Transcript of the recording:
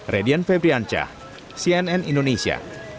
radian febriancah cnn indonesia